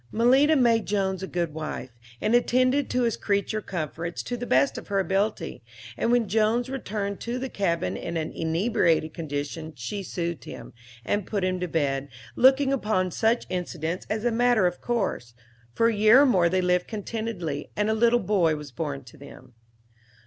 Malita made Jones a good wife, and attended to his creature comforts to the best of her ability, and when Jones returned to the cabin in an inebriated condition she soothed him, and put him to bed, looking upon such incidents as a matter of course. For a year or more they lived contentedly, and a little boy was born to them.